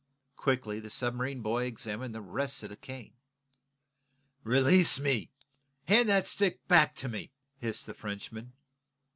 Quickly the submarine boy examined the rest of the cane. "Release me! Hand that stick back to me!" hissed the Frenchman.